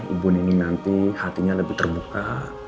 ibu nini nanti hatinya lebih terbuka